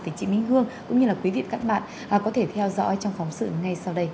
thì chị minh hương cũng như là quý vị các bạn có thể theo dõi trong phóng sự ngay sau đây